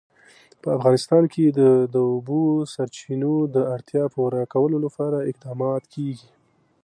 په افغانستان کې د د اوبو سرچینې د اړتیاوو پوره کولو لپاره اقدامات کېږي.